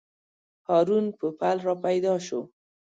هارون پوپل راپیدا شو.